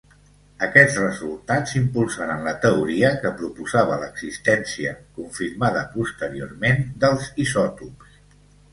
Aquests resultats impulsaren la teoria que proposava l'existència, confirmada posteriorment, dels isòtops.